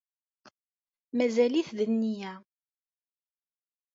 Mazal-it d nniya